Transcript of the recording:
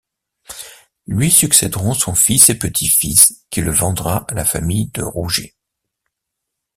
Lui succéderont son fils et petit-fils qui le vendra à la famille de Rougé.